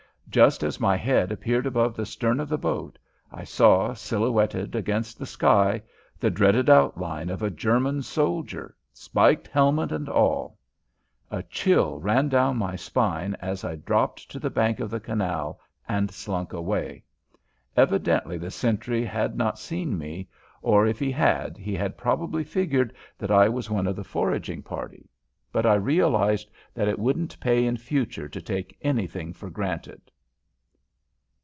Just as my head appeared above the stern of the boat I saw, silhouetted against the sky, the dreaded outline of a German soldier spiked helmet and all! A chill ran down my spine as I dropped to the bank of the canal and slunk away. Evidently the sentry had not seen me or, if he had, he had probably figured that I was one of the foraging party, but I realized that it wouldn't pay in future to take anything for granted.